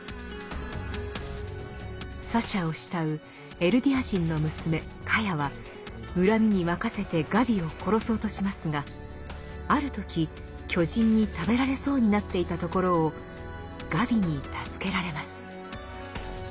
サシャを慕うエルディア人の娘カヤは恨みに任せてガビを殺そうとしますがある時巨人に食べられそうになっていたところをガビに助けられます。